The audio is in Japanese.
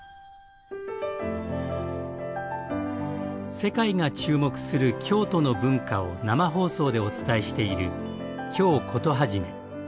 世界が注目する京都の文化を生放送でお伝えしている「京コトはじめ」。